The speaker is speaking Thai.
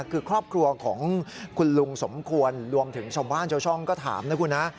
คือครอบครัวของคุณลุงสมควรรวมถึงชาวบ้านชาวช่องก็ถามนะคุณนะ